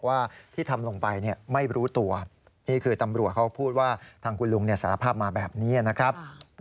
อารมณ์แปรปวนหลังจากที่หายป่วยจากเรื่องของเส้นเลือดในสมองเนี่ยนะครับ